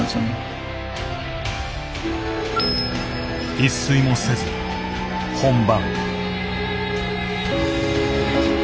一睡もせず本番。